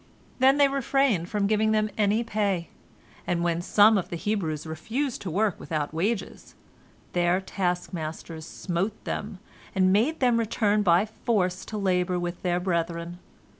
Then they refrained from giving them any pay, and when some of the Hebrews refused to work without wages, their taskmasters smote them, and made them return by force to labor with their brethren.